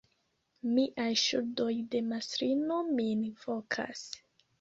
Miaj ŝuldoj de mastrino min vokas.